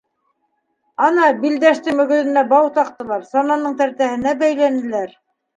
Ана, Билдәштең мөгөҙөнә бау таҡтылар, сананың тәртәһенә бәйләнеләр.